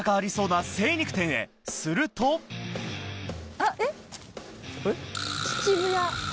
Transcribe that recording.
あっえっ？